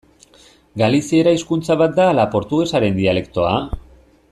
Galiziera hizkuntza bat da ala portugesaren dialektoa?